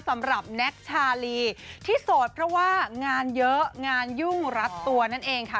สำหรับแน็กชาลีที่โสดเพราะว่างานเยอะงานยุ่งรัดตัวนั่นเองค่ะ